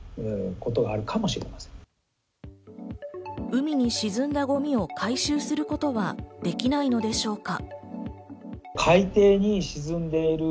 海に沈んだゴミを回収することはできないのでしょうか．